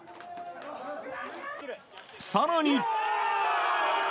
更に。